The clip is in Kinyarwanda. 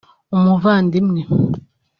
umuvandimwe